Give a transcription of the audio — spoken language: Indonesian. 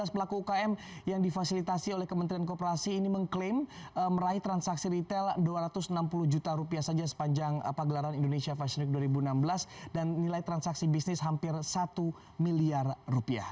lima belas pelaku ukm yang difasilitasi oleh kementerian kooperasi ini mengklaim meraih transaksi retail dua ratus enam puluh juta rupiah saja sepanjang pagelaran indonesia fashion week dua ribu enam belas dan nilai transaksi bisnis hampir satu miliar rupiah